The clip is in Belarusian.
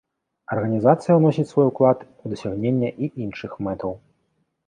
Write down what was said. Арганізацыя ўносіць свой уклад у дасягненне і іншых мэтаў.